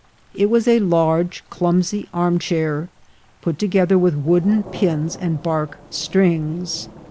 It was a large, clumsy armchair, put together with wooden pins and bark strings.